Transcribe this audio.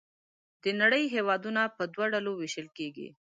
د نړۍ هېوادونه په دوه ډلو ویشل کیږي.